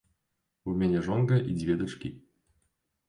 У мяне жонка і дзве дачкі.